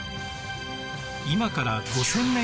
今から５０００年